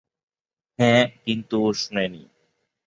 হ্যাঁ, কিন্তু ও শোনেনি।